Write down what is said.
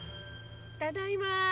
・ただいま。